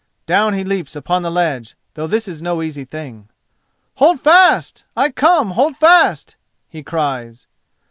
Down he leaps upon the ledge, though this is no easy thing. "Hold fast! I come; hold fast!" he cries.